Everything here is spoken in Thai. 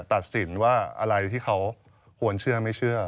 ตัดสินว่าอะไรที่เขาควรเชื่อไม่เชื่อ